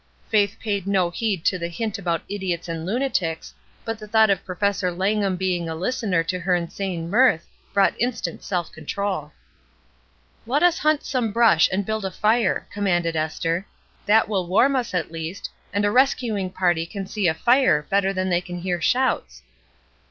Faith paid no heed to the hint about idiots and lunatics, but the thought of Professor Lang ham being a listener to her insane mirt^ brought instant self control. "Let us himt some brush and build a fire," commanded Esther. "That will warm us, at least ; and a rescuing party can see a fire better than they can hear shouts."